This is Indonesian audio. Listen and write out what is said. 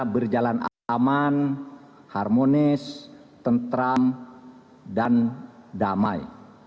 berjalan aman harmonis tentram dan damai